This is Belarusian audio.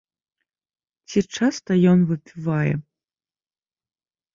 Ці часта ён выпівае?